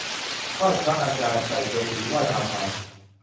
ไหว้พระอาจารีย์ ใส่เกศีไหว้บาทา